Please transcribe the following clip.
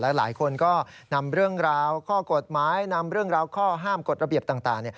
หลายคนก็นำเรื่องราวข้อกฎหมายนำเรื่องราวข้อห้ามกฎระเบียบต่าง